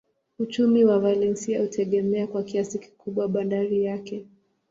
Uchumi wa Valencia hutegemea kwa kiasi kikubwa bandari yake.